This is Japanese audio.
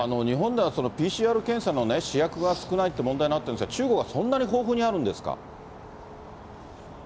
日本では、ＰＣＲ検査の試薬が少ないって問題になってるんですが、中国はそんなに豊富にあるんですか？